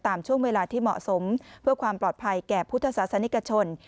ตามช่วงเวลาที่เหมาะสมเพื่อความปลอดภัยแก่พุทธศาสนิกชน